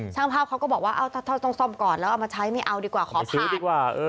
ช่างภาพเขาก็บอกว่าถ้าต้องซ่อมก่อนแล้วเอามาใช้ไม่เอาดีกว่าขอพักดีกว่า